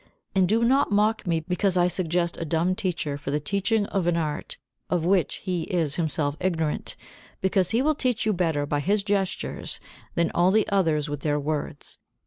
And do not mock me because I suggest a dumb teacher for the teaching of an art of which he is himself ignorant, because he will teach you better by his gestures than all the others with their words.